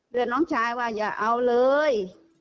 แต่น้องชายว่าอย่าเอาเลย